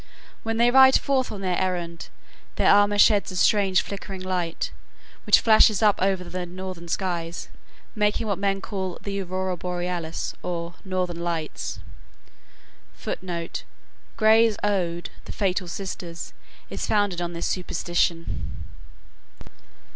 When they ride forth on their errand, their armor sheds a strange flickering light, which flashes up over the northern skies, making what men call the "Aurora Borealis," or "Northern Lights." [Footnote: Gray's ode, "The Fatal Sisters," is founded on this superstition.